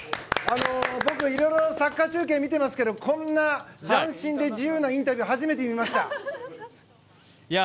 僕、いろいろサッカー中継見ていますけどこんな斬新で自由なインタビュー初めて見ました。